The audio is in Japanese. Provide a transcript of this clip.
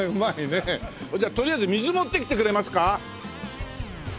じゃあとりあえず水持ってきてくれますか？